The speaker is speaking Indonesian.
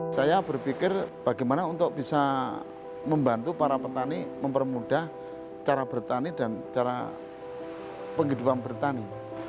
saya berpikir bagaimana untuk bisa membantu para petani mempermudah cara bertani dan cara penghidupan bertani